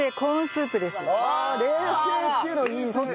ああ冷製っていうのいいですね。